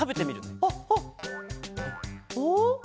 お？